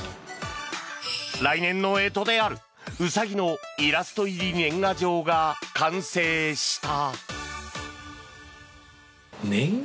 来年の干支であるウサギのイラスト入り年賀状が完成した。